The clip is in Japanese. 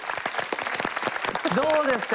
どうですか。